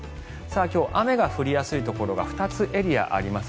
今日、雨が降りやすいところが２つ、エリアがあります。